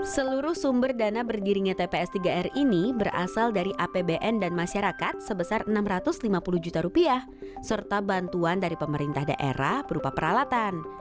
seluruh sumber dana berdirinya tps tiga r ini berasal dari apbn dan masyarakat sebesar rp enam ratus lima puluh juta rupiah serta bantuan dari pemerintah daerah berupa peralatan